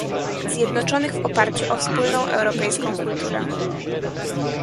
zjednoczonych w oparciu o wspólną europejską kulturę